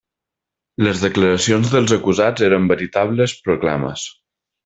Les declaracions dels acusats eren veritables proclames.